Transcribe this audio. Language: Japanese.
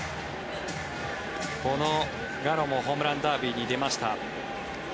このギャロもホームランダービーに出ました。